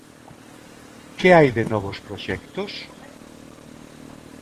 Que hai de novos proxectos?